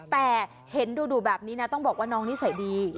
แต่เห็นดูแบบนี้นะต้องบอกว่าน้องนิสัยดี